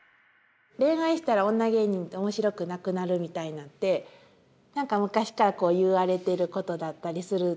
恋愛したら女芸人って面白くなくなるみたいのって何か昔から言われてることだったりすると思うんですけど。